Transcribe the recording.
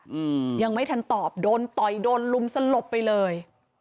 อืมยังไม่ทันตอบโดนต่อยโดนลุมสลบไปเลย